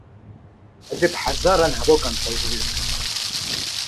Ez ê bi hezaran hevokan tevlî vir bikim.